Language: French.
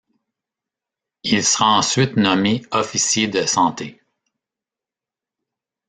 Il sera ensuite nommé officier de santé.